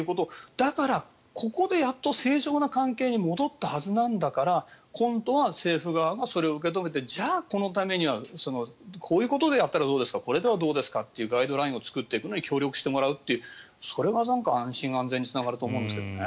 だから、ここでやっと正常な関係に戻ったはずなんだから今度は政府側がそれを受け止めてじゃあ、このためにはこういうことでやったらどうですかこれではどうですかというガイドラインを作るのに協力していくというそれが安心安全につながると思うんですけどね。